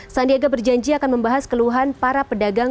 sandiaga berjanji akan membahas keluhan para pedagang